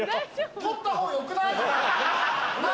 取ったほうよくない？なぁ？